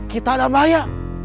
kita dalam bahaya